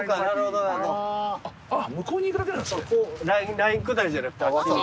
ライン下りじゃなくてあっちに。